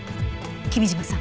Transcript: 君嶋さん。